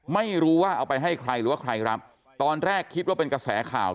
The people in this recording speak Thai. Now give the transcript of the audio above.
ไม่รู้ว่าเอาไปให้ใครหรือว่าใครรับตอนแรกคิดว่าเป็นกระแสข่าว